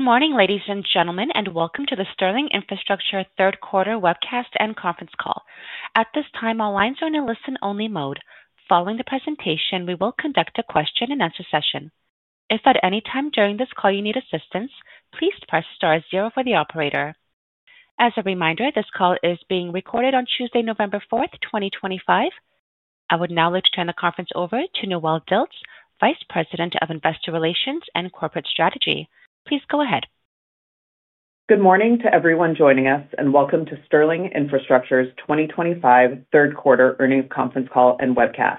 Good morning, ladies and gentlemen, and welcome to the Sterling Infrastructure third quarter webcast and conference call. At this time, our lines are in a listen-only mode. Following the presentation, we will conduct a question-and-answer session. If at any time during this call you need assistance, please press star zero for the operator. As a reminder, this call is being recorded on Tuesday, November 4th, 2025. I would now like to turn the conference over to Noelle Dilts, Vice President of Investor Relations and Corporate Strategy. Please go ahead. Good morning to everyone joining us, and welcome to Sterling Infrastructure's 2025 third quarter earnings conference call and webcast.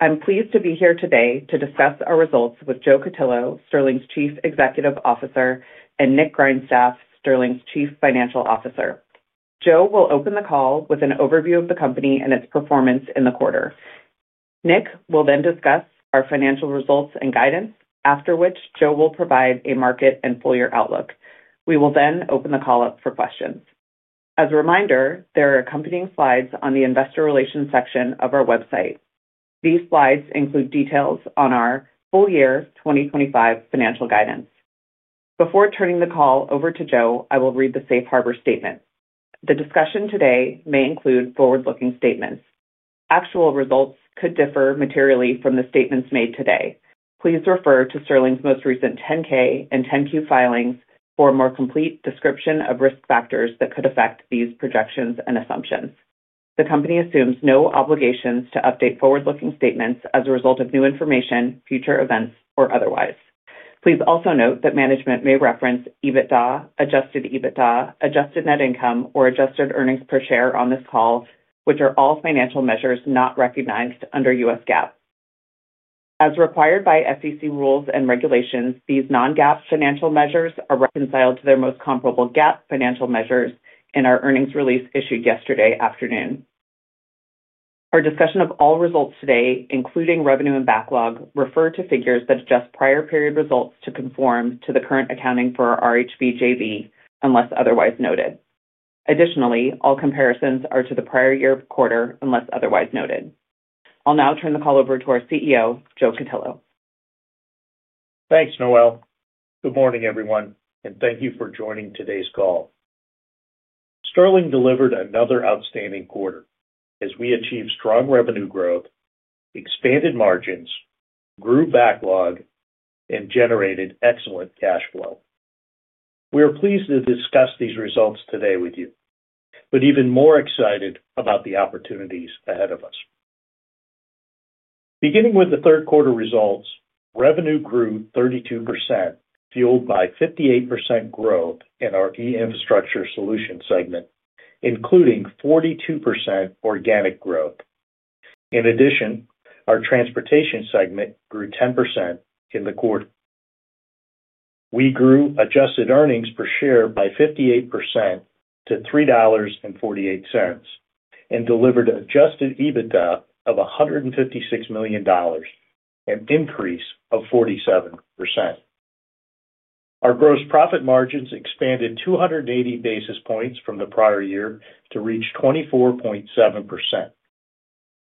I'm pleased to be here today to discuss our results with Joe Cutillo, Sterling's Chief Executive Officer, and Nick Grindstaff, Sterling's Chief Financial Officer. Joe will open the call with an overview of the company and its performance in the quarter. Nick will then discuss our financial results and guidance, after which Joe will provide a market and full-year outlook. We will then open the call up for questions. As a reminder, there are accompanying slides on the Investor Relations section of our website. These slides include details on our full-year 2025 financial guidance. Before turning the call over to Joe, I will read the Safe Harbor statement. The discussion today may include forward-looking statements. Actual results could differ materially from the statements made today. Please refer to Sterling's most recent 10-K and 10-Q filings for a more complete description of risk factors that could affect these projections and assumptions. The company assumes no obligations to update forward-looking statements as a result of new information, future events, or otherwise. Please also note that management may reference EBITDA, adjusted EBITDA, adjusted net income, or adjusted earnings per share on this call, which are all financial measures not recognized under U.S. GAAP. As required by SEC rules and regulations, these non-GAAP financial measures are reconciled to their most comparable GAAP financial measures in our earnings release issued yesterday afternoon. Our discussion of all results today, including revenue and backlog, refers to figures that adjust prior period results to conform to the current accounting for RHB JV unless otherwise noted. Additionally, all comparisons are to the prior year quarter unless otherwise noted. I'll now turn the call over to our CEO, Joe Cutillo. Thanks, Noelle. Good morning, everyone, and thank you for joining today's call. Sterling delivered another outstanding quarter as we achieved strong revenue growth, expanded margins, grew backlog, and generated excellent cash flow. We are pleased to discuss these results today with you, but even more excited about the opportunities ahead of us. Beginning with the third quarter results, revenue grew 32%, fueled by 58% growth in our e-infrastructure solutions segment, including 42% organic growth. In addition, our transportation segment grew 10% in the quarter. We grew adjusted earnings per share by 58% to $3.48. And delivered adjusted EBITDA of $156 million. An increase of 47%. Our gross profit margins expanded 280 basis points from the prior year to reach 24.7%.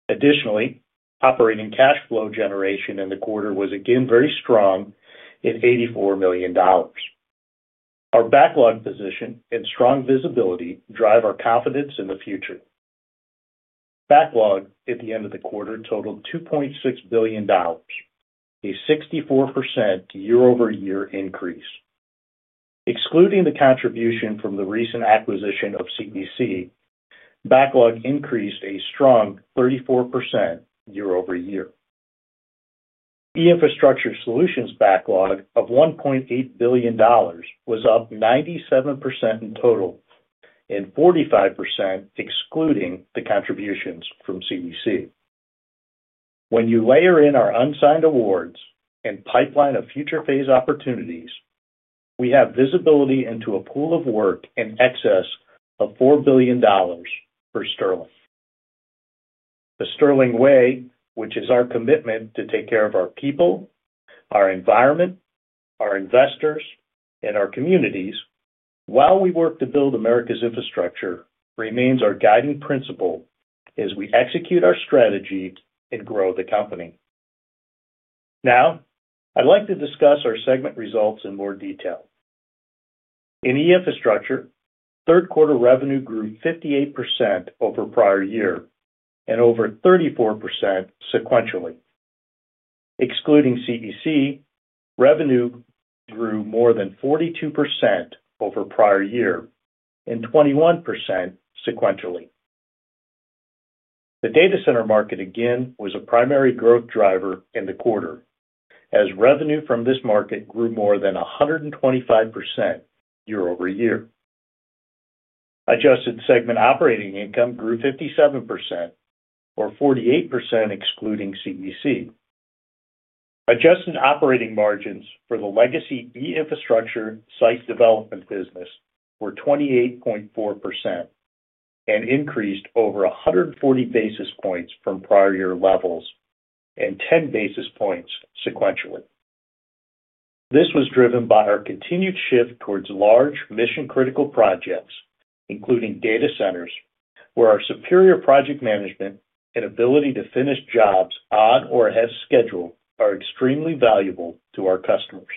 Additionally, operating cash flow generation in the quarter was again very strong at $84 million. Our backlog position and strong visibility drive our confidence in the future. Backlog at the end of the quarter totaled $2.6 billion. A 64% year-over-year increase. Excluding the contribution from the recent acquisition of CEC, backlog increased a strong 34% year-over-year. The e-infrastructure solutions backlog of $1.8 billion was up 97% in total. And 45% excluding the contributions from CEC. When you layer in our unsigned awards and pipeline of future phase opportunities, we have visibility into a pool of work in excess of $4 billion. For Sterling. The Sterling Way, which is our commitment to take care of our people. Our environment, our investors, and our communities while we work to build America's infrastructure, remains our guiding principle as we execute our strategy and grow the company. Now, I'd like to discuss our segment results in more detail. In e-infrastructure, third quarter revenue grew 58% over prior year and over 34% sequentially. Excluding CEC, revenue grew more than 42% over prior year and 21% sequentially. The data center market again was a primary growth driver in the quarter as revenue from this market grew more than 125%. Year-over-year. Adjusted segment operating income grew 57%. Or 48% excluding CEC. Adjusted operating margins for the legacy e-infrastructure site development business were 28.4%. And increased over 140 basis points from prior year levels and 10 basis points sequentially. This was driven by our continued shift towards large mission-critical projects, including data centers, where our superior project management and ability to finish jobs on or as scheduled are extremely valuable to our customers.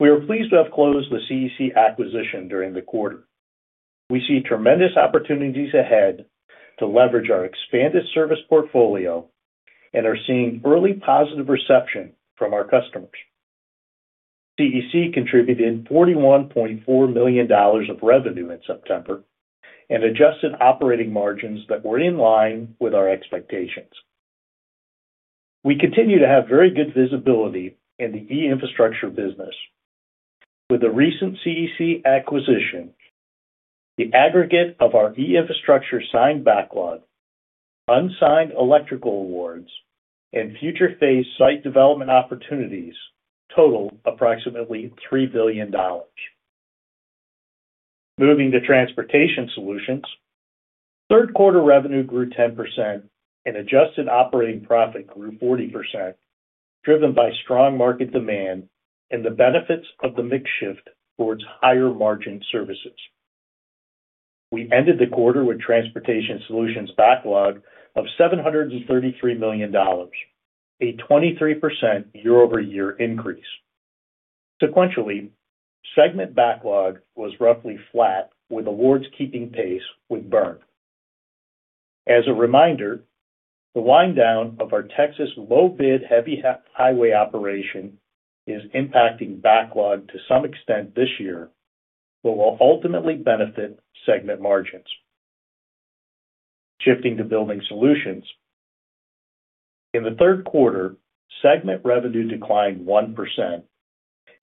We are pleased to have closed the CEC acquisition during the quarter. We see tremendous opportunities ahead to leverage our expanded service portfolio and are seeing early positive reception from our customers. CEC contributed $41.4 million of revenue in September. And adjusted operating margins that were in line with our expectations. We continue to have very good visibility in the e-infrastructure business. With the recent CEC acquisition. The aggregate of our e-infrastructure signed backlog. Unsigned electrical awards, and future phase site development opportunities total approximately $3 billion. Moving to transportation solutions, third quarter revenue grew 10% and adjusted operating profit grew 40%, driven by strong market demand and the benefits of the mix shift towards higher margin services. We ended the quarter with transportation solutions backlog of $733 million, a 23% year-over-year increase. Sequentially, segment backlog was roughly flat with awards keeping pace with burn. As a reminder, the wind down of our Texas low-bid heavy highway operation is impacting backlog to some extent this year, but will ultimately benefit segment margins. Shifting to building solutions, in the third quarter, segment revenue declined 1%,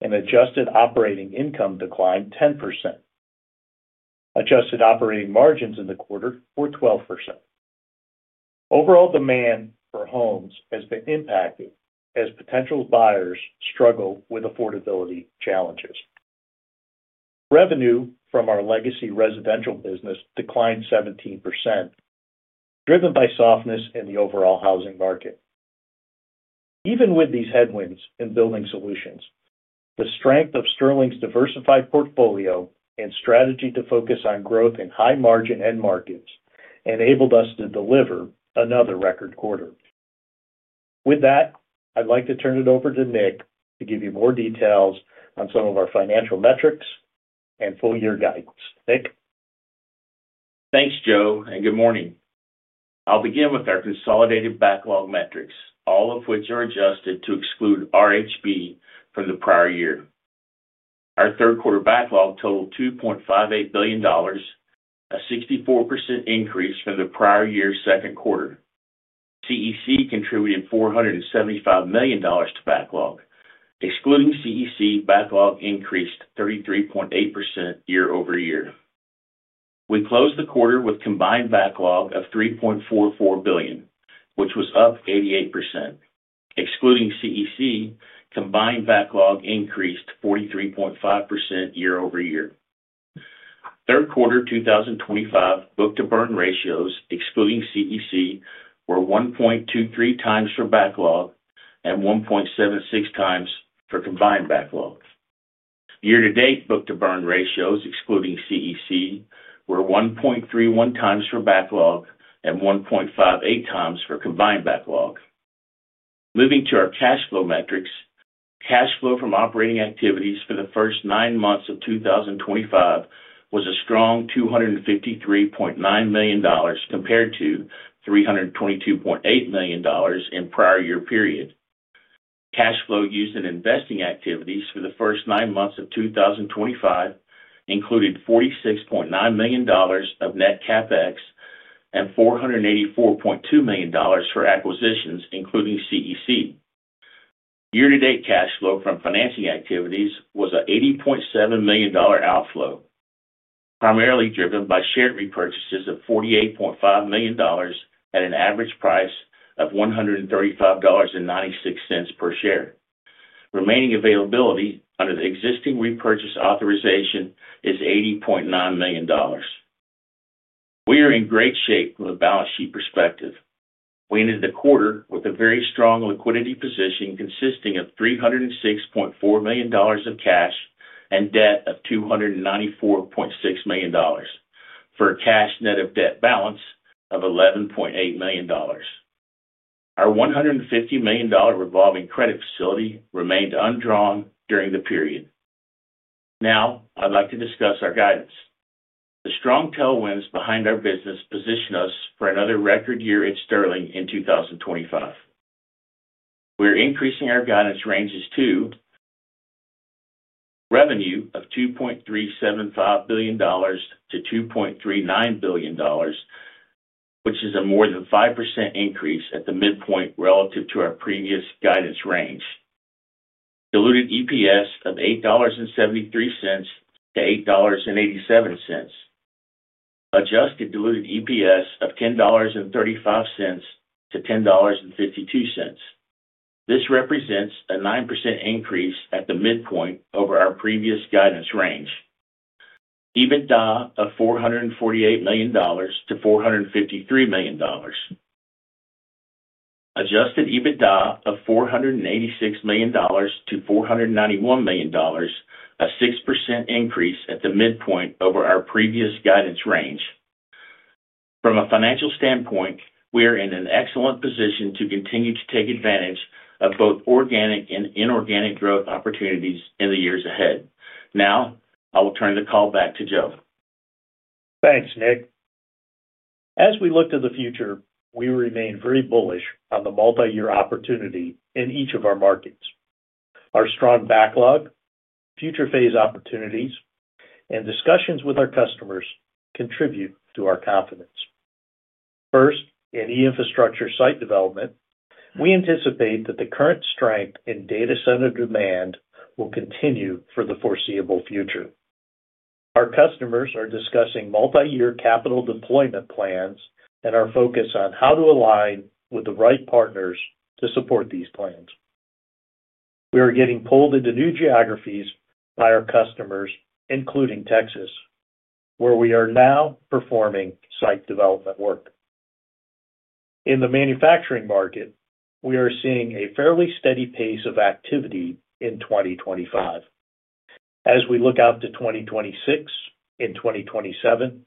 and adjusted operating income declined 10%. Adjusted operating margins in the quarter were 12%. Overall demand for homes has been impacted as potential buyers struggle with affordability challenges. Revenue from our legacy residential business declined 17%, driven by softness in the overall housing market. Even with these headwinds in building solutions, the strength of Sterling's diversified portfolio and strategy to focus on growth in high-margin end markets enabled us to deliver another record quarter. With that, I'd like to turn it over to Nick to give you more details on some of our financial metrics and full-year guidance. Nick? Thanks, Joe, and good morning. I'll begin with our consolidated backlog metrics, all of which are adjusted to exclude RHB from the prior year. Our third quarter backlog totaled $2.58 billion, a 64% increase from the prior year's second quarter. CEC contributed $475 million to backlog. Excluding CEC, backlog increased 33.8% year-over-year. We closed the quarter with combined backlog of $3.44 billion, which was up 88%. Excluding CEC, combined backlog increased 43.5% year-over-year. Third quarter 2025 book-to-burn ratios, excluding CEC, were 1.23x for backlog and 1.76x for combined backlog. Year-to-date book-to-burn ratios, excluding CEC, were 1.31x for backlog and 1.58x for combined backlog. Moving to our cash flow metrics, cash flow from operating activities for the first nine months of 2025 was a strong $253.9 million compared to $322.8 million in the prior year period. Cash flow used in investing activities for the first nine months of 2025 included $46.9 million of net CapEx and $484.2 million for acquisitions, including CEC. Year-to-date cash flow from financing activities was an $80.7 million outflow, primarily driven by share repurchases of $48.5 million at an average price of $135.96 per share. Remaining availability under the existing repurchase authorization is $80.9 million. We are in great shape from a balance sheet perspective. We ended the quarter with a very strong liquidity position consisting of $306.4 million of cash and debt of $294.6 million, for a cash net of debt balance of $11.8 million. Our $150 million revolving credit facility remained undrawn during the period. Now, I'd like to discuss our guidance. The strong tailwinds behind our business position us for another record year at Sterling in 2025. We are increasing our guidance ranges to $2.375 billion-$2.39 billion in revenue. Which is a more than 5% increase at the midpoint relative to our previous guidance range. Diluted EPS of $8.73-$8.87. Adjusted diluted EPS of $10.35-$10.52. This represents a 9% increase at the midpoint over our previous guidance range. EBITDA of $448 million-$453 million. Adjusted EBITDA of $486 million-$491 million. A 6% increase at the midpoint over our previous guidance range. From a financial standpoint, we are in an excellent position to continue to take advantage of both organic and inorganic growth opportunities in the years ahead. Now, I will turn the call back to Joe. Thanks, Nick. As we look to the future, we remain very bullish on the multi-year opportunity in each of our markets. Our strong backlog, future phase opportunities, and discussions with our customers contribute to our confidence. First, in e-infrastructure site development, we anticipate that the current strength in data center demand will continue for the foreseeable future. Our customers are discussing multi-year capital deployment plans and our focus on how to align with the right partners to support these plans. We are getting pulled into new geographies by our customers, including Texas, where we are now performing site development work. In the manufacturing market, we are seeing a fairly steady pace of activity in 2025. As we look out to 2026 and 2027,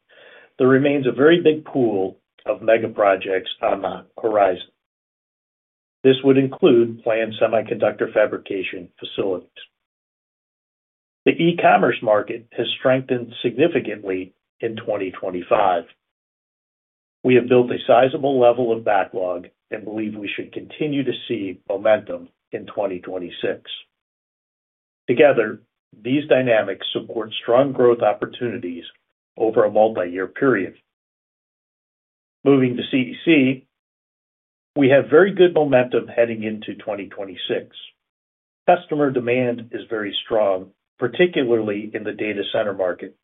there remains a very big pool of mega projects on the horizon. This would include planned semiconductor fabrication facilities. The e-commerce market has strengthened significantly in 2025. We have built a sizable level of backlog and believe we should continue to see momentum in 2026. Together, these dynamics support strong growth opportunities over a multi-year period. Moving to CEC. We have very good momentum heading into 2026. Customer demand is very strong, particularly in the data center market,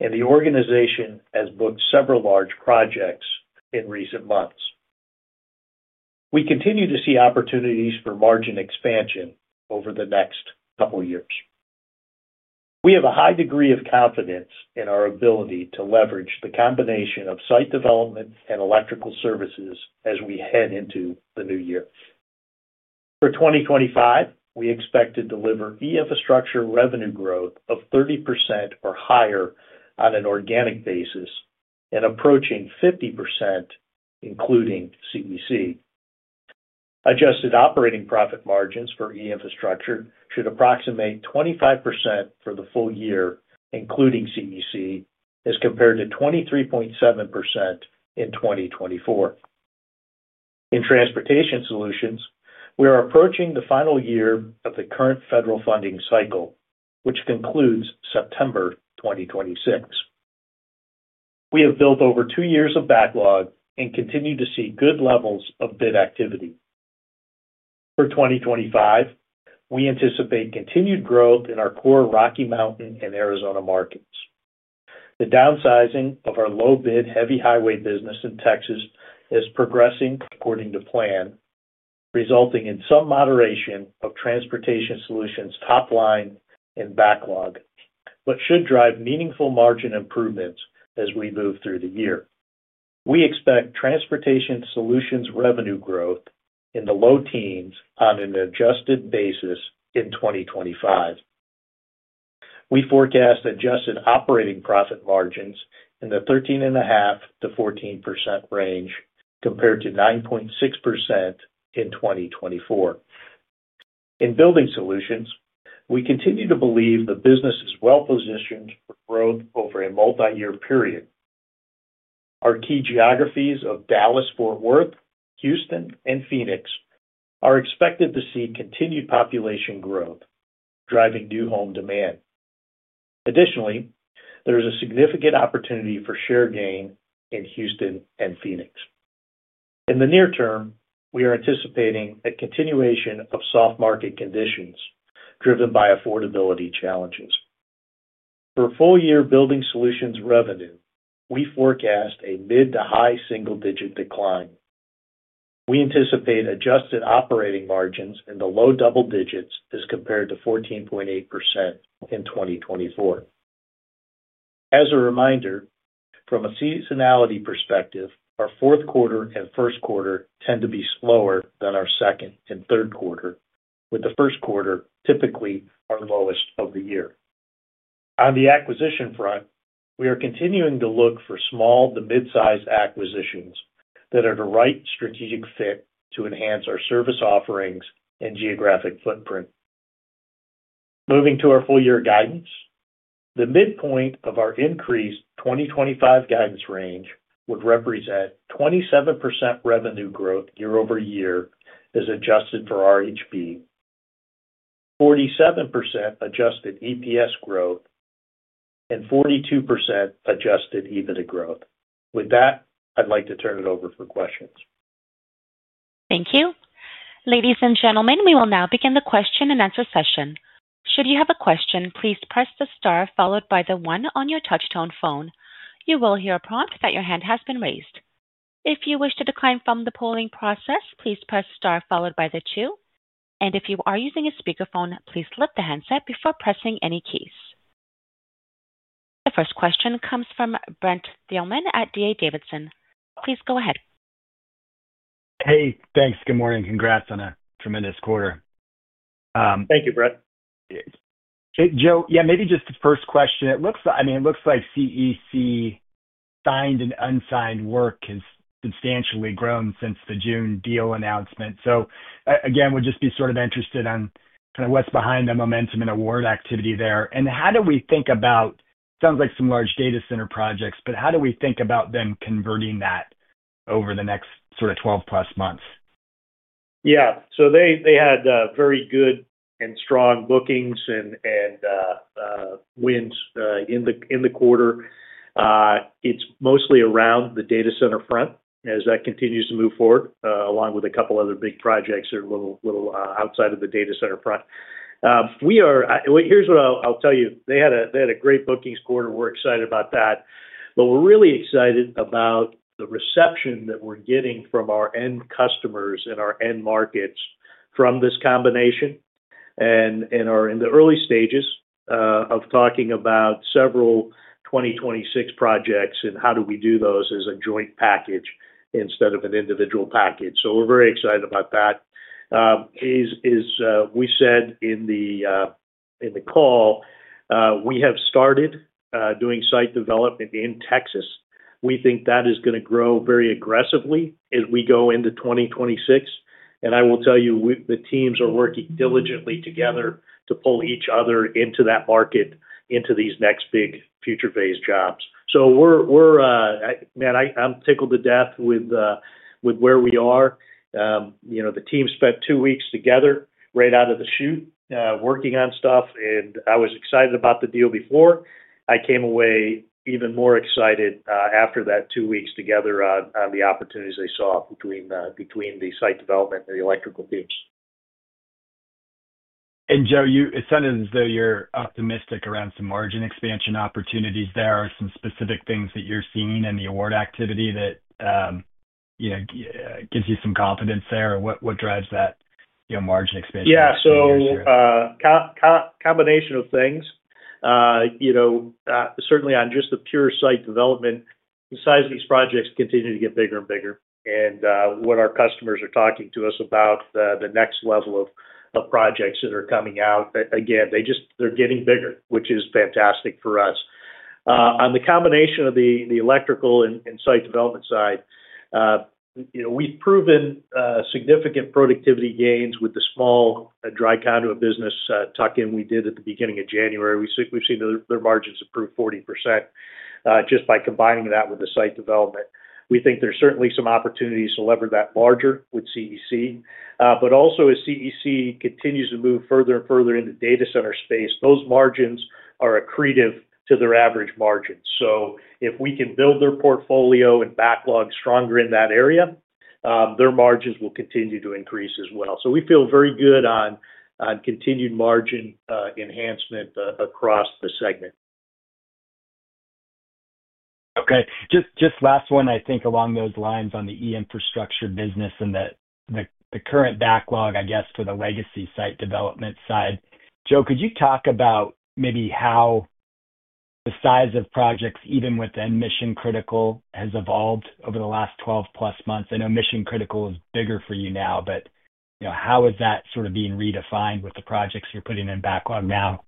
and the organization has booked several large projects in recent months. We continue to see opportunities for margin expansion over the next couple of years. We have a high degree of confidence in our ability to leverage the combination of site development and electrical services as we head into the new year. For 2025, we expect to deliver e-infrastructure revenue growth of 30% or higher on an organic basis and approaching 50%. Including CEC. Adjusted operating profit margins for e-infrastructure should approximate 25% for the full year, including CEC, as compared to 23.7% in 2024. In transportation solutions, we are approaching the final year of the current federal funding cycle, which concludes September 2026. We have built over two years of backlog and continue to see good levels of bid activity. For 2025, we anticipate continued growth in our core Rocky Mountain and Arizona markets. The downsizing of our low-bid heavy highway business in Texas is progressing according to plan, resulting in some moderation of transportation solutions top line and backlog, but should drive meaningful margin improvements as we move through the year. We expect transportation solutions revenue growth in the low teens on an adjusted basis in 2025. We forecast adjusted operating profit margins in the 13.5%-14% range compared to 9.6% in 2024. In building solutions, we continue to believe the business is well positioned for growth over a multi-year period. Our key geographies of Dallas, Fort Worth, Houston, and Phoenix are expected to see continued population growth, driving new home demand. Additionally, there is a significant opportunity for share gain in Houston and Phoenix. In the near term, we are anticipating a continuation of soft market conditions driven by affordability challenges. For full-year building solutions revenue, we forecast a mid- to high single-digit decline. We anticipate adjusted operating margins in the low double digits as compared to 14.8% in 2024. As a reminder, from a seasonality perspective, our fourth quarter and first quarter tend to be slower than our second and third quarter, with the first quarter typically our lowest of the year. On the acquisition front, we are continuing to look for small to mid-size acquisitions that are the right strategic fit to enhance our service offerings and geographic footprint. Moving to our full-year guidance, the midpoint of our increased 2025 guidance range would represent 27% revenue growth year-over-year as adjusted for RHB. 47% adjusted EPS growth. And 42% adjusted EBITDA growth. With that, I'd like to turn it over for questions. Thank you. Ladies and gentlemen, we will now begin the question and answer session. Should you have a question, please press the star followed by the one on your touch-tone phone. You will hear a prompt that your hand has been raised. If you wish to decline from the polling process, please press star followed by the two. And if you are using a speakerphone, please flip the handset before pressing any keys. The first question comes from Brent Thielman at D.A. Davidson. Please go ahead. Hey, thanks. Good morning. Congrats on a tremendous quarter. Thank you, Brent. Joe, yeah, maybe just the first question. It looks like, I mean, it looks like CEC signed and unsigned work has substantially grown since the June deal announcement. So again, we'd just be sort of interested on kind of what's behind the momentum and award activity there. And how do we think about, it sounds like some large data center projects, but how do we think about them converting that over the next sort of 12+ months? Yeah. So they had very good and strong bookings and wins in the quarter. It's mostly around the data center front as that continues to move forward, along with a couple of other big projects that are a little outside of the data center front. Here's what I'll tell you. They had a great bookings quarter. We're excited about that. But we're really excited about the reception that we're getting from our end customers and our end markets from this combination. And are in the early stages of talking about several 2026 projects and how do we do those as a joint package instead of an individual package. So we're very excited about that. As we said in the call, we have started doing site development in Texas. We think that is going to grow very aggressively as we go into 2026. And I will tell you, the teams are working diligently together to pull each other into that market, into these next big future phase jobs. So, man, I'm tickled to death with where we are. The team spent two weeks together right out of the chute working on stuff. And I was excited about the deal before. I came away even more excited after that two weeks together on the opportunities they saw between the site development and the electrical teams. And Joe, it sounded as though you're optimistic around some margin expansion opportunities there. Are some specific things that you're seeing in the award activity that gives you some confidence there? What drives that margin expansion? Yeah. So, combination of things. Certainly, on just the pure site development, the size of these projects continue to get bigger and bigger. And what our customers are talking to us about the next level of projects that are coming out, again, they're getting bigger, which is fantastic for us. On the combination of the electrical and site development side, we've proven significant productivity gains with the small dry utility business tuck-in we did at the beginning of January. We've seen their margins improve 40%. Just by combining that with the site development. We think there's certainly some opportunities to leverage that larger with CEC. But also, as CEC continues to move further and further into the data center space, those margins are accretive to their average margins. So if we can build their portfolio and backlog stronger in that area, their margins will continue to increase as well. So we feel very good on continued margin enhancement across the segment. Okay. Just last one, I think, along those lines on the e-infrastructure business and the current backlog, I guess, for the legacy site development side. Joe, could you talk about maybe how the size of projects, even within mission-critical, has evolved over the last 12+ months? I know mission-critical is bigger for you now, but how is that sort of being redefined with the projects you're putting in backlog now?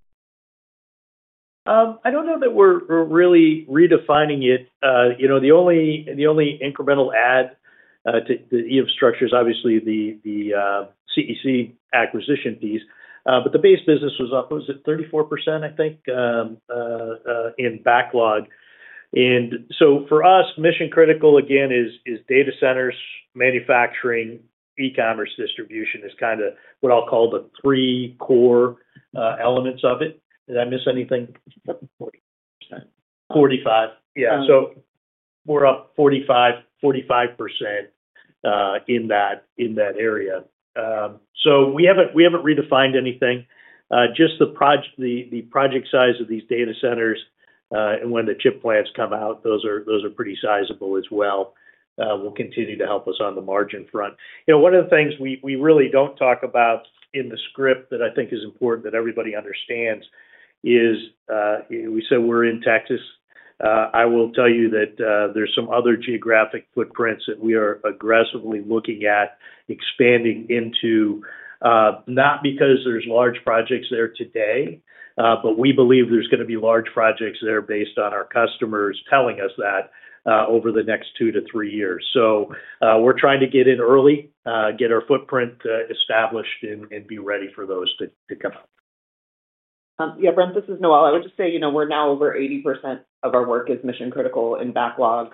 I don't know that we're really redefining it. The only incremental add to the e-infrastructure is obviously the CEC acquisition fees. But the base business was up, was it 34%, I think, in backlog? And so for us, mission-critical, again, is data centers, manufacturing, e-commerce distribution is kind of what I'll call the three core elements of it. Did I miss anything? 45%. 45%. Yeah. So we're up 45% in that area. So we haven't redefined anything. Just the project size of these data centers and when the chip plants come out, those are pretty sizable as well. They will continue to help us on the margin front. One of the things we really don't talk about in the script that I think is important that everybody understands is we say we're in Texas. I will tell you that there's some other geographic footprints that we are aggressively looking at expanding into. Not because there's large projects there today, but we believe there's going to be large projects there based on our customers telling us that over the next two to three years. So we're trying to get in early, get our footprint established, and be ready for those to come up. Yeah, Brent, this is Noelle. I would just say we're now over 80% of our work is mission-critical in backlog.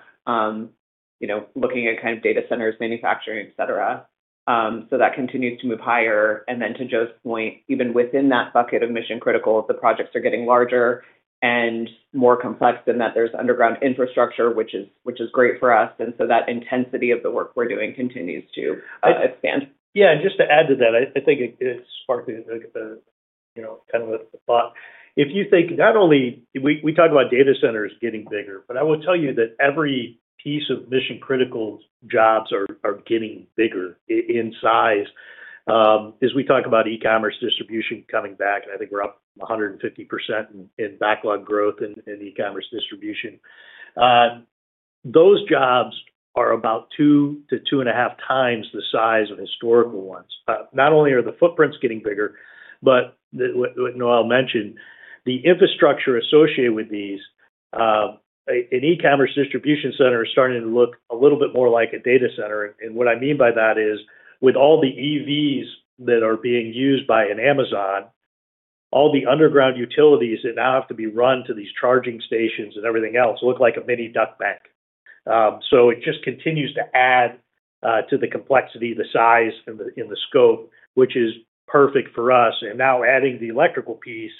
Looking at kind of data centers, manufacturing, etc. So that continues to move higher. And then to Joe's point, even within that bucket of mission-critical, the projects are getting larger and more complex in that there's underground infrastructure, which is great for us. And so that intensity of the work we're doing continues to expand. Yeah. And just to add to that, I think it's sparked a kind of a thought. If you think not only we talk about data centers getting bigger, but I will tell you that every piece of mission-critical's jobs are getting bigger in size. As we talk about e-commerce distribution coming back, I think we're up 150% in backlog growth in e-commerce distribution. Those jobs are about two to two and a half times the size of historical ones. Not only are the footprints getting bigger, but what Noelle mentioned, the infrastructure associated with these an e-commerce distribution center is starting to look a little bit more like a data center. And what I mean by that is with all the EVs that are being used by an Amazon, all the underground utilities that now have to be run to these charging stations and everything else look like a mini duct bank. So it just continues to add to the complexity, the size, and the scope, which is perfect for us. And now adding the electrical piece,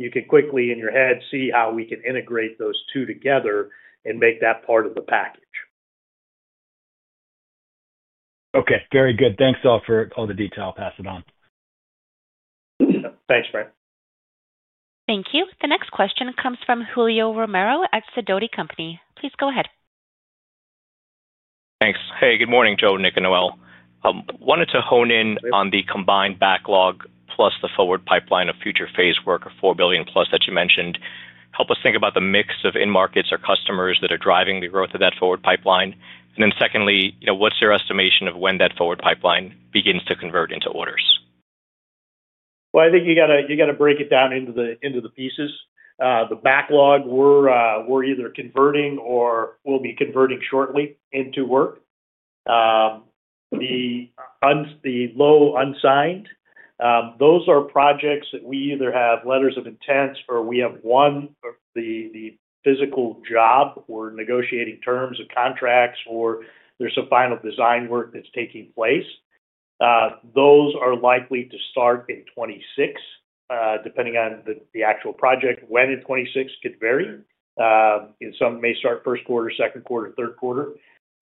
you can quickly in your head see how we can integrate those two together and make that part of the package. Okay. Very good. Thanks, all, for all the detail. I'll pass it on. Thanks, Brent. Thank you. The next question comes from Julio Romero at Sidoti & Company. Please go ahead. Thanks. Hey, good morning, Joe, Nick, and Noelle. I wanted to hone in on the combined backlog plus the forward pipeline of future phase work of $4 billion+ that you mentioned. Help us think about the mix of end markets or customers that are driving the growth of that forward pipeline. And then secondly, what's your estimation of when that forward pipeline begins to convert into orders? I think you got to break it down into the pieces. The backlog, we're either converting or will be converting shortly into work. The unsigned, those are projects that we either have letters of intent or we have won the physical job. We're negotiating terms of contracts or there's some final design work that's taking place. Those are likely to start in 2026. Depending on the actual project, when in 2026 could vary. Some may start first quarter, second quarter, third quarter.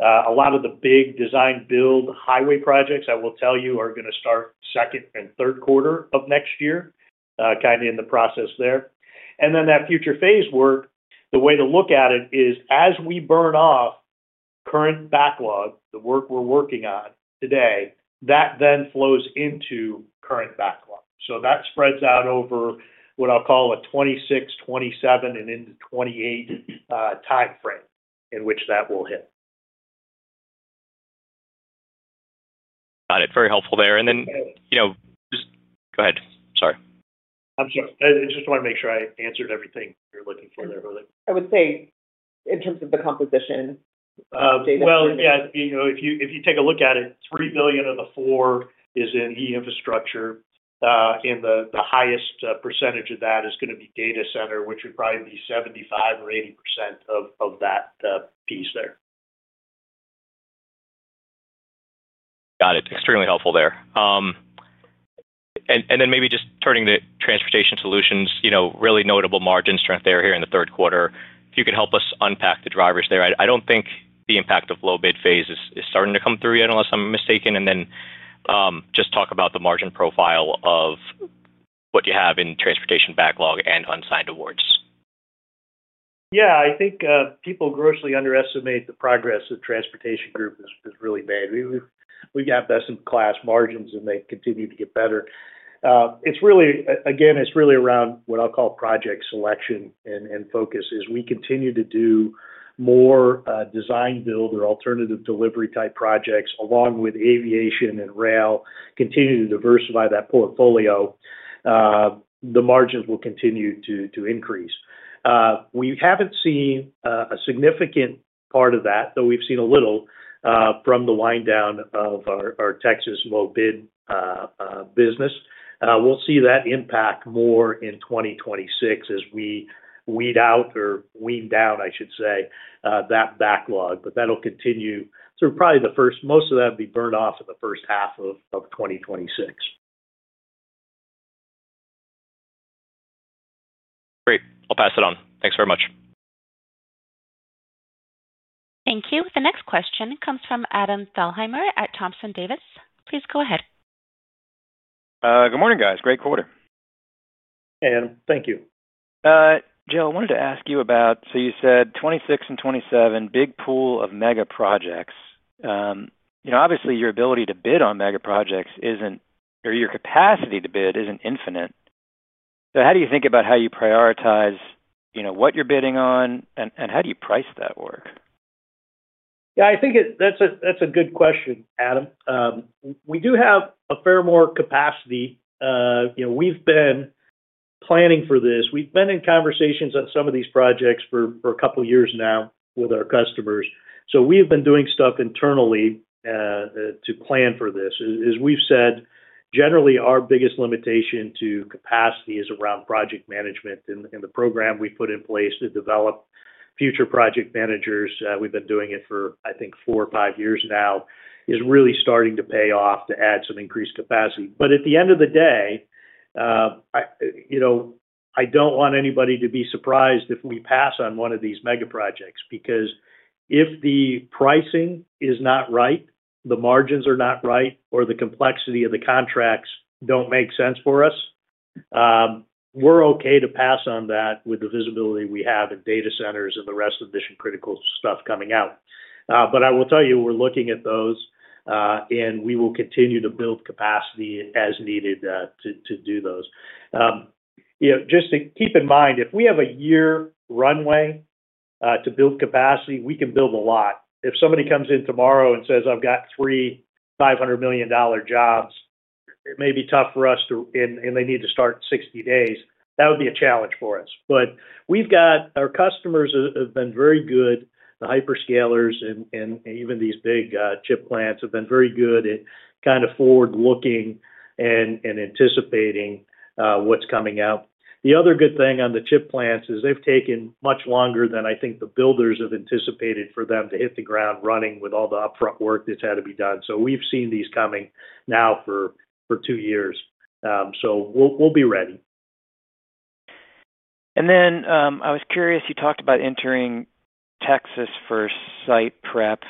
A lot of the big design-build highway projects, I will tell you, are going to start second and third quarter of next year, kind of in the process there. And then that future phase work, the way to look at it is as we burn off current backlog, the work we're working on today, that then flows into current backlog. So that spreads out over what I'll call a 2026, 2027, and into 2028 timeframe in which that will hit. Got it. Very helpful there. And then, just go ahead. Sorry. I'm sorry. I just wanted to make sure I answered everything you're looking for there. I would say in terms of the composition. Well, yeah. If you take a look at it, $3 billion of the $4 billion is in e-infrastructure. And the highest percentage of that is going to be data center, which would probably be 75% or 80% of that piece there. Got it. Extremely helpful there. And then maybe just turning to transportation solutions, really notable margin strength there here in the third quarter. If you could help us unpack the drivers there. I don't think the impact of low bid phase is starting to come through yet, unless I'm mistaken. And then just talk about the margin profile of what you have in transportation backlog and unsigned awards. Yeah. I think people grossly underestimate the progress that Transportation Group has really made. We've got best-in-class margins, and they continue to get better. Again, it's really around what I'll call project selection and focus as we continue to do more design-build or alternative delivery type projects along with aviation and rail continue to diversify that portfolio. The margins will continue to increase. We haven't seen a significant part of that, though we've seen a little from the wind down of our Texas low-bid business. We'll see that impact more in 2026 as we weed out or wean down, I should say, that backlog. But that'll continue through probably the first most of that will be burned off in the first half of 2026. Great. I'll pass it on. Thanks very much. Thank you. The next question comes from Adam Thalhimer at Thompson Davis. Please go ahead. Good morning, guys. Great quarter. Hey, Adam. Thank you. Joe, I wanted to ask you about, so you said 2026 and 2027, big pool of mega projects. Obviously, your ability to bid on mega projects isn't or your capacity to bid isn't infinite. So how do you think about how you prioritize what you're bidding on, and how do you price that work? Yeah. I think that's a good question, Adam. We do have far more capacity. We've been planning for this. We've been in conversations on some of these projects for a couple of years now with our customers. So we have been doing stuff internally to plan for this. As we've said, generally, our biggest limitation to capacity is around project management and the program we put in place to develop future project managers. We've been doing it for, I think, four or five years now, is really starting to pay off to add some increased capacity. But at the end of the day, I don't want anybody to be surprised if we pass on one of these mega projects because if the pricing is not right, the margins are not right, or the complexity of the contracts don't make sense for us. We're okay to pass on that with the visibility we have in data centers and the rest of mission-critical stuff coming out. But I will tell you, we're looking at those, and we will continue to build capacity as needed to do those. Just to keep in mind, if we have a year runway to build capacity, we can build a lot. If somebody comes in tomorrow and says, "I've got three $500 million jobs," it may be tough for us, and they need to start in 60 days. That would be a challenge for us. But our customers have been very good. The hyperscalers and even these big chip plants have been very good at kind of forward-looking and anticipating what's coming out. The other good thing on the chip plants is they've taken much longer than I think the builders have anticipated for them to hit the ground running with all the upfront work that's had to be done. So we've seen these coming now for two years. So we'll be ready. And then I was curious. You talked about entering Texas for site prep.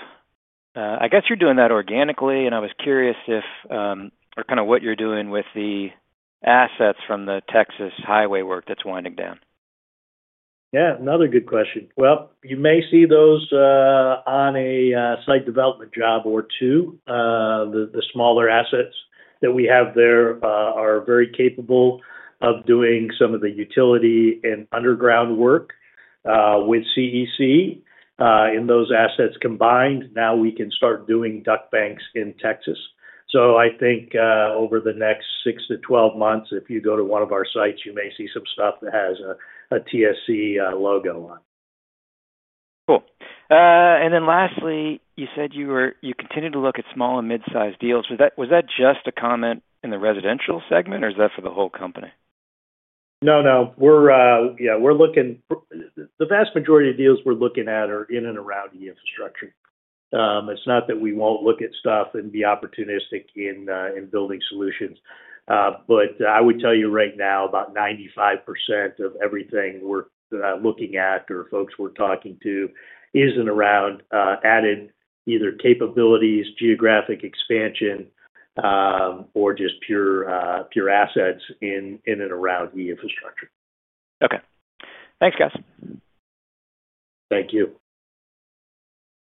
I guess you're doing that organically, and I was curious if or kind of what you're doing with the assets from the Texas highway work that's winding down. Yeah. Another good question. Well, you may see those on a site development job or two. The smaller assets that we have there are very capable of doing some of the utility and underground work with CEC. In those assets combined, now we can start doing duct banks in Texas. So I think over the next six to 12 months, if you go to one of our sites, you may see some stuff that has a TSC logo on. Cool, and then lastly, you said you continue to look at small and mid-sized deals. Was that just a comment in the residential segment, or is that for the whole company? No, no. Yeah. The vast majority of deals we're looking at are in and around e-infrastructure. It's not that we won't look at stuff and be opportunistic in building solutions. But I would tell you right now, about 95% of everything we're looking at or folks we're talking to is around added value, either capabilities, geographic expansion, or just pure assets in and around e-infrastructure. Okay. Thanks, guys. Thank you.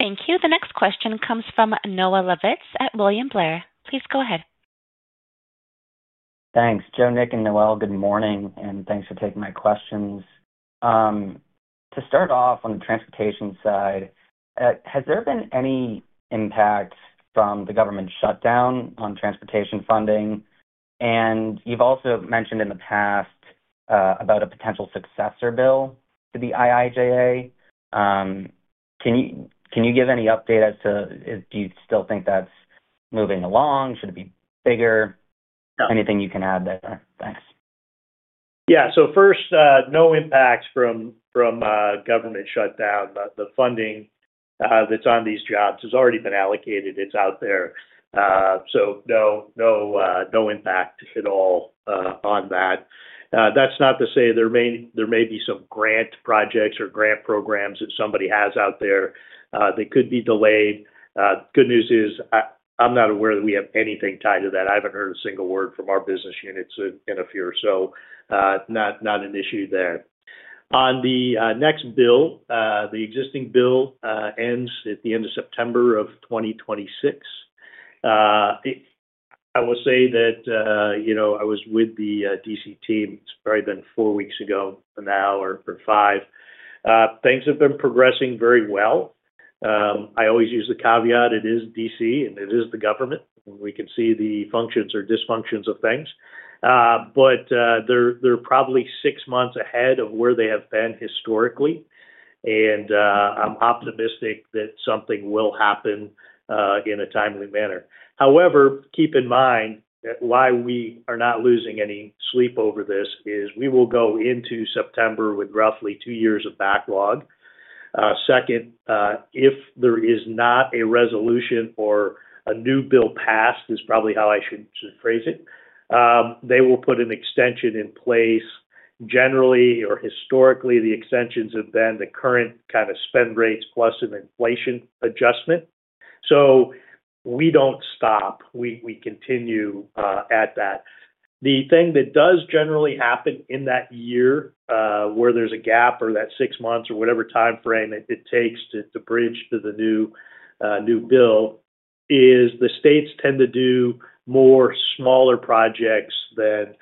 Thank you. The next question comes from Noah Levitz at William Blair. Please go ahead. Thanks. Joe, Nick, and Noelle, good morning. And thanks for taking my questions. To start off on the transportation side, has there been any impact from the government shutdown on transportation funding? And you've also mentioned in the past about a potential successor bill to the IIJA. Can you give any update as to do you still think that's moving along? Should it be bigger? Anything you can add there? Thanks. Yeah. So first, no impact from government shutdown. The funding that's on these jobs has already been allocated. It's out there. So no impact at all on that. That's not to say there may be some grant projects or grant programs that somebody has out there that could be delayed. The good news is I'm not aware that we have anything tied to that. I haven't heard a single word from our business units in fear. So not an issue there. On the next bill, the existing bill ends at the end of September of 2026. I will say that. I was with the D.C. team. It's probably been four weeks ago now or five. Things have been progressing very well. I always use the caveat. It is D.C., and it is the government. We can see the functions or dysfunctions of things. But they're probably six months ahead of where they have been historically. And I'm optimistic that something will happen in a timely manner. However, keep in mind that why we are not losing any sleep over this is we will go into September with roughly two years of backlog. Second, if there is not a resolution or a new bill passed, is probably how I should phrase it. They will put an extension in place. Generally or historically, the extensions have been the current kind of spend rates plus an inflation adjustment. So we don't stop. We continue at that. The thing that does generally happen in that year where there's a gap or that six months or whatever timeframe it takes to bridge to the new bill is the states tend to do more smaller projects than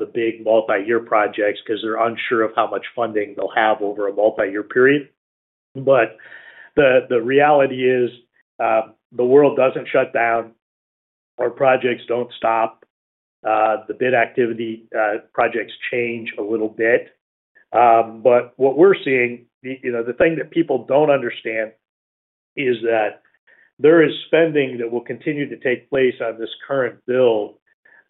the big multi-year projects because they're unsure of how much funding they'll have over a multi-year period. But the reality is the world doesn't shut down. Our projects don't stop. The bid activity projects change a little bit. But what we're seeing, the thing that people don't understand is that there is spending that will continue to take place on this current bill.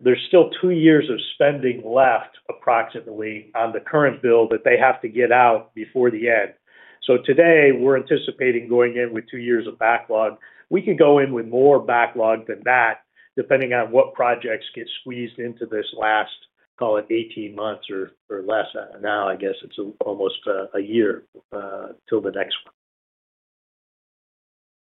There's still two years of spending left approximately on the current bill that they have to get out before the end. So today, we're anticipating going in with two years of backlog. We could go in with more backlog than that depending on what projects get squeezed into this last, call it 18 months or less. Now, I guess it's almost a year till the next one.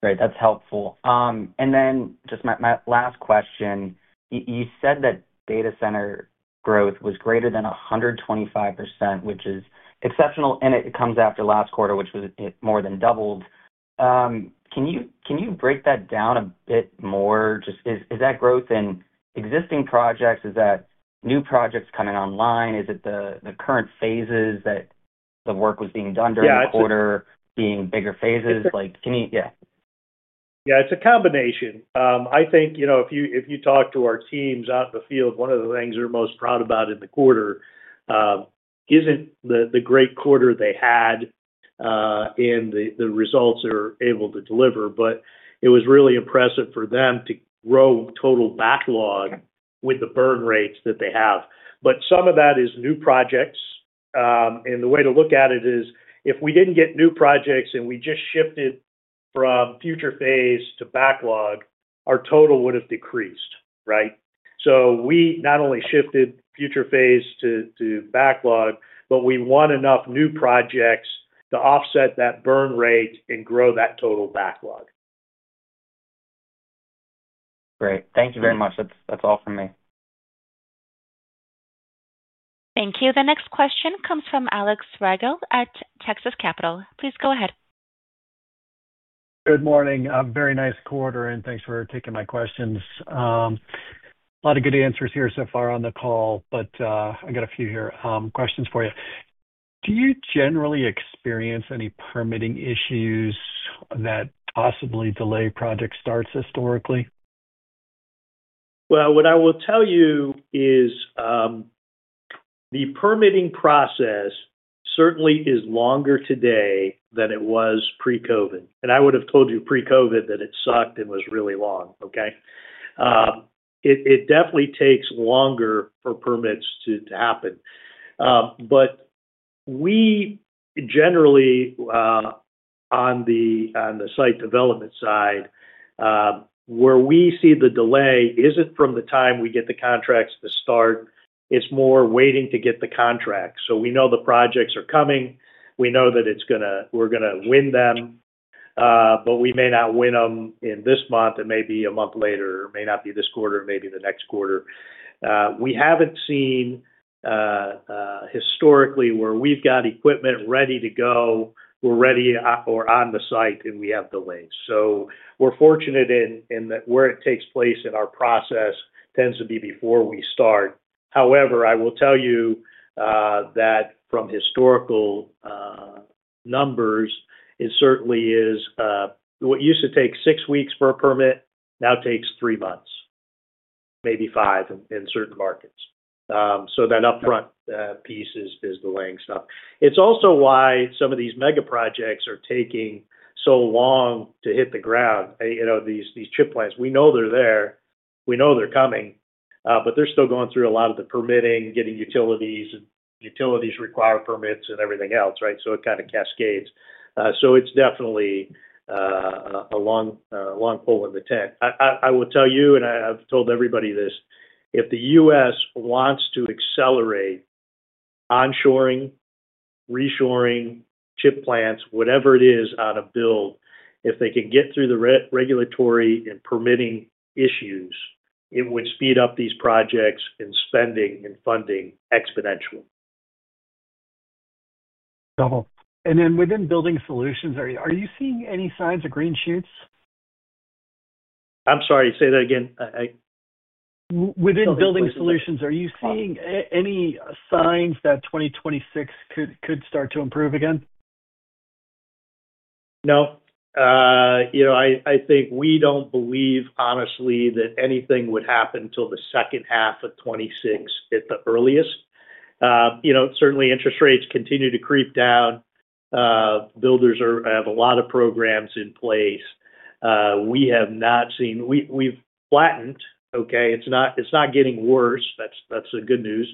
Great. That's helpful. And then just my last question. You said that data center growth was greater than 125%, which is exceptional, and it comes after last quarter, which was more than doubled. Can you break that down a bit more? Is that growth in existing projects? Is that new projects coming online? Is it the current phases that the work was being done during the quarter being bigger phases? Yeah. Yeah. It's a combination. I think if you talk to our teams out in the field, one of the things they're most proud about in the quarter isn't the great quarter they had and the results they're able to deliver, but it was really impressive for them to grow total backlog with the burn rates that they have, but some of that is new projects, and the way to look at it is if we didn't get new projects and we just shifted from future phase to backlog, our total would have decreased, right, so we not only shifted future phase to backlog, but we won enough new projects to offset that burn rate and grow that total backlog. Great. Thank you very much. That's all from me. Thank you. The next question comes from Alex Rygiel at Texas Capital. Please go ahead. Good morning. Very nice quarter, and thanks for taking my questions. A lot of good answers here so far on the call, but I got a few questions for you. Do you generally experience any permitting issues that possibly delay project starts historically? Well, what I will tell you is the permitting process certainly is longer today than it was pre-COVID, and I would have told you pre-COVID that it sucked and was really long, okay? It definitely takes longer for permits to happen, but we generally, on the site development side, where we see the delay isn't from the time we get the contracts to start. It's more waiting to get the contracts, so we know the projects are coming. We know that we're going to win them, but we may not win them in this month. It may be a month later, or it may not be this quarter, or maybe the next quarter. We haven't seen historically where we've got equipment ready to go, we're ready or on the site, and we have delays. So we're fortunate in that where it takes place in our process tends to be before we start. However, I will tell you that from historical numbers, it certainly is what used to take six weeks for a permit now takes three months. Maybe five in certain markets. So that upfront piece is delaying stuff. It's also why some of these mega projects are taking so long to hit the ground. These chip plants, we know they're there. We know they're coming. But they're still going through a lot of the permitting, getting utilities, and utilities require permits and everything else, right? So it kind of cascades. So it's definitely a long pole in the tent. I will tell you, and I've told everybody this, if the U.S. wants to accelerate onshoring, reshoring, chip plants, whatever it is on a build, if they can get through the regulatory and permitting issues, it would speed up these projects and spending and funding exponentially. Double. And then within building solutions, are you seeing any signs of green shoots? I'm sorry. Say that again. Within building solutions, are you seeing any signs that 2026 could start to improve again? No. I think we don't believe, honestly, that anything would happen till the second half of 2026 at the earliest. Certainly, interest rates continue to creep down. Builders have a lot of programs in place. We have not seen. We've flattened, okay? It's not getting worse. That's the good news.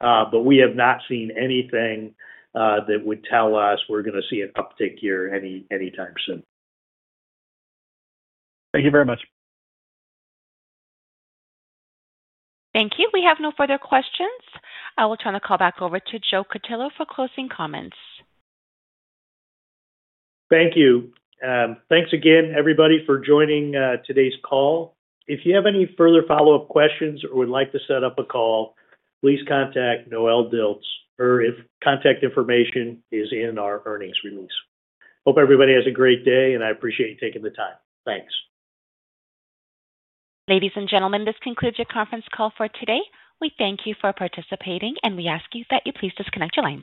But we have not seen anything that would tell us we're going to see an uptick here anytime soon. Thank you very much. Thank you. We have no further questions. I will turn the call back over to Joe Cutillo for closing comments. Thank you. Thanks again, everybody, for joining today's call. If you have any further follow-up questions or would like to set up a call, please contact Noelle Dilts, or contact information is in our earnings release. Hope everybody has a great day, and I appreciate you taking the time. Thanks. Ladies and gentlemen, this concludes your conference call for today. We thank you for participating, and we ask you that you please disconnect your lines.